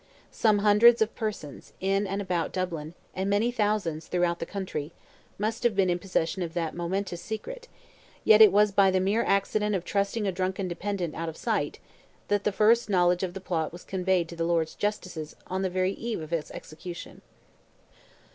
Some hundreds of persons, in and about Dublin, and many thousands throughout the country, must have been in possession of that momentous secret, yet it was by the mere accident of trusting a drunken dependent out of sight, that the first knowledge of the plot was conveyed to the Lords Justices on the very eve of its execution.